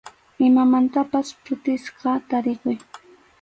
Imamantapas phutisqa tarikuy.